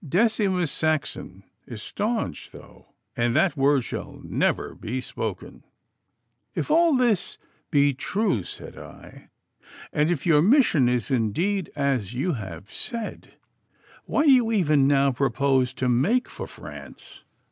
Decimus Saxon is staunch, though, and that word shall never be spoken.' 'If all this be true,' said I, 'and if your mission is indeed as you have said, why did you even now propose to make for France?